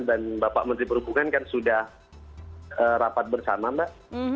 dan bapak menteri perhubungan kan sudah rapat bersama mbak